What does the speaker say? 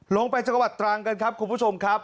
ลงไปจังหวัดตรังกันครับคุณผู้ชมครับ